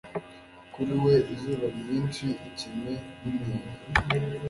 kuri we izuba ryinshi, ikime n'umuyaga